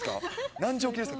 何時起きですか？